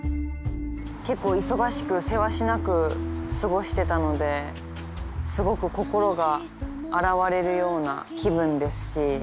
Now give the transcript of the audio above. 結構忙しくせわしなく過ごしてたのですごく心が洗われるような気分ですし。